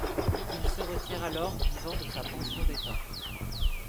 Il se retire alors, vivant de sa pension d'État.